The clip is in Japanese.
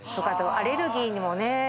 アレルギーにもいいね。